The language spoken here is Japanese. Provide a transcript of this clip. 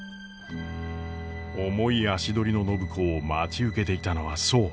重い足取りの暢子を待ち受けていたのはそう！